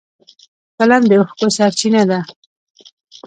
فلم د اوښکو سرچینه ده